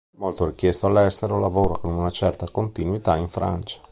Molto richiesto all'estero, lavora con una certa continuità in Francia.